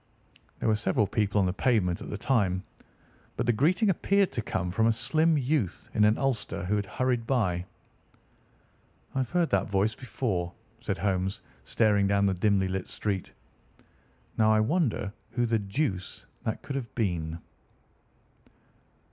There were several people on the pavement at the time, but the greeting appeared to come from a slim youth in an ulster who had hurried by. "I've heard that voice before," said Holmes, staring down the dimly lit street. "Now, I wonder who the deuce that could have been."